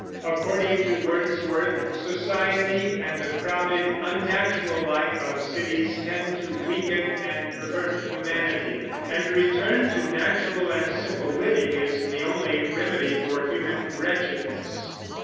According to Wordsworth, society and the crowded unnatural life of cities tend to weaken and pervert humanity; and a return to natural and simple living is the only remedy for human wretchedness.